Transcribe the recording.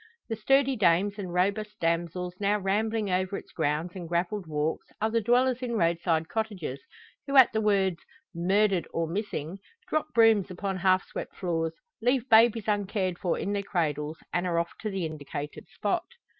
The sturdy dames and robust damsels now rambling over its grounds and gravelled walks are the dwellers in roadside cottages, who at the words "Murdered or Missing," drop brooms upon half swept floors, leave babies uncared for in their cradles, and are off to the indicated spot.